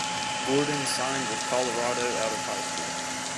Gordon signed with Colorado out of high school.